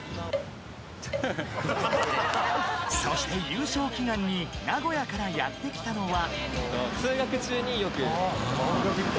［そして優勝祈願に名古屋からやって来たのは］